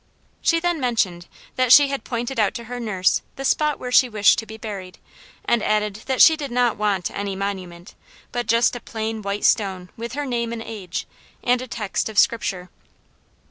She then mentioned that she had pointed out to her nurse the spot where she wished to be buried, and added that she did not want any monument, but just a plain white stone with her name and age, and a text of Scripture.